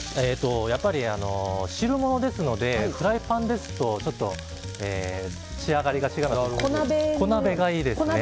やっぱり汁ものですのでフライパンですとちょっと、仕上がりが違うので小鍋がいいですね。